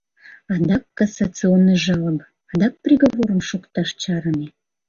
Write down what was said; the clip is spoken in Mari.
Адак кассационный жалоба, адак приговорым шукташ чарыме.